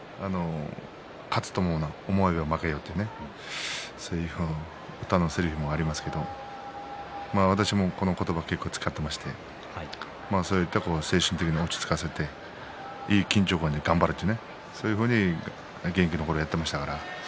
勝つと思うな、思えば負けよというね、歌のせりふもありますけれど私も、この言葉結構使っていましてそう言って精神的に落ち着かせていい緊張感で頑張れてねそういうふうに現役のころやっていました。